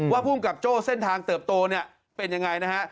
ว่าภูมิกับโจ้เส้นทางเติบโตเป็นอย่างไร